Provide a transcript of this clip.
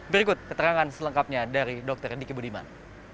berikut keterangan selengkapnya dari dr diki budiman